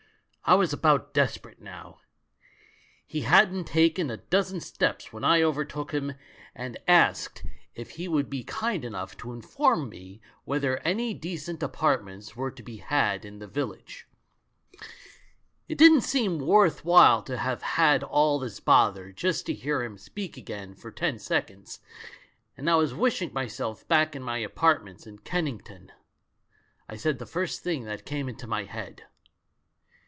I was about desperate now. lie hadn't taken a dozen steps when I overtook him, and asked if 24j the man who UNDERSTOOD WOMEN he would be kind enough to inform me whether any decent apartments were to be had in the vil lage. It didn't seem worth while to have had all this bother just to hear him speak again for ten seconds, and I was wishing myself back in my apartments in Kennington. I said the first thing that came into my head.